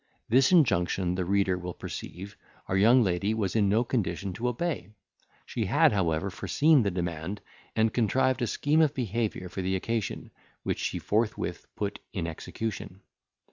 This injunction, the reader will perceive, our young lady was in no condition to obey; she had, however, foreseen the demand, and contrived a scheme of behaviour for the occasion, which she forthwith put in execution.